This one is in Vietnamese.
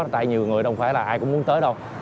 tại nhiều người không phải là ai cũng muốn tới đâu